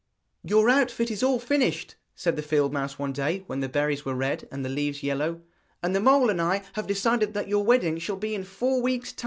'Your outfit is all finished,' said the field mouse one day when the berries were red and the leaves yellow, 'and the mole and I have decided that your wedding shall be in four weeks' time.'